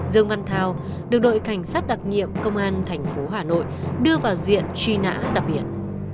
dương văn thao được đội cảnh sát đặc nhiệm công an thành phố hà nội đưa vào diện truy nã đặc biệt